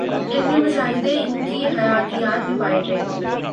علمی مشاہدے ان کی حیاتیات میں پائے گئے